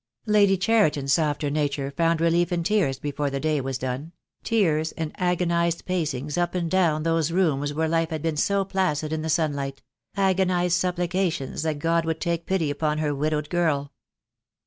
Lady Cheriton's softer nature found relief in tears before the day was done; tears and agonized pacings up and down those rooms where life had been so placid in the sunlight — agonized supplications that God would take pity upon her widowed girl.